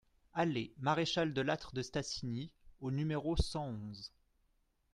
Allée Maréchal de Lattre de Tassigny au numéro cent onze